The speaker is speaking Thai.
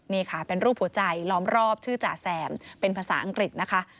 นี่ค่ะเป็นรูปหัวใจล้อมรอบชื่อจ่าแซมเป็นภาษาอังกฤษนะคะ